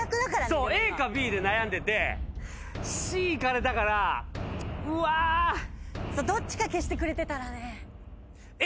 そうＡかＢで悩んでてＣいかれたからうわあどっちか消してくれてたらねＡ！